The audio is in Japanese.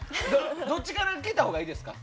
どっちから聞いたほうがいいですか？